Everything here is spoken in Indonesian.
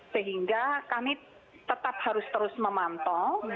sehingga kami tetap harus terus memantau